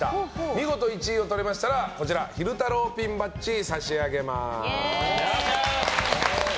見事１位をとれましたら昼太郎ピンバッジ差し上げます。